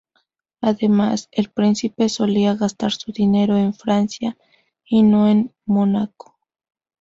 Además, el príncipe solía gastar su dinero en Francia y no en Mónaco.